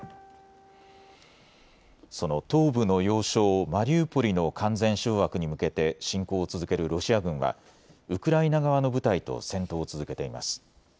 その東部の要衝マリウポリの完全掌握に向けて侵攻を続けるロシア軍はウクライナ側の部隊と戦闘を続けています。